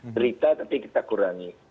derita tapi kita kurangi